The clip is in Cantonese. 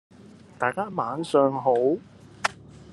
大家晚上好！